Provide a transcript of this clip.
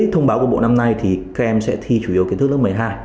thông báo của bộ năm nay thì các em sẽ thi chủ yếu kiến thức lớp một mươi hai